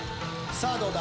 さあどうだ？